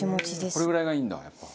これぐらいがいいんだやっぱ。